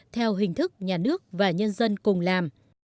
theo hình thức nhà nước và nhân dân cùng làm